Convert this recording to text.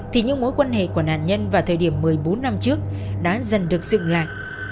thì những mối quan hệ của nạn nhân vào thời điểm một mươi bốn năm trước đã dần được dựng lại